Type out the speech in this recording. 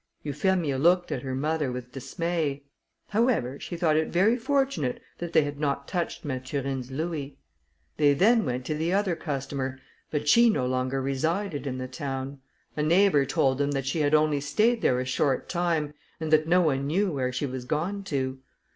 Euphemia looked at her mother with dismay; however, she thought it very fortunate that they had not touched Mathurine's louis. They then went to the other customer; but she no longer resided in the town. A neighbour told them that she had only stayed there a short time, and that no one knew where she was gone to.